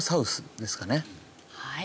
はい。